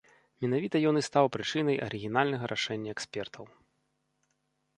Менавіта ён і стаў прычынай арыгінальнага рашэння экспертаў.